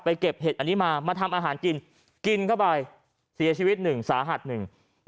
เก็บเห็ดอันนี้มามาทำอาหารกินกินเข้าไปเสียชีวิตหนึ่งสาหัสหนึ่ง